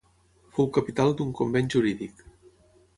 Fou capital d'un convent jurídic.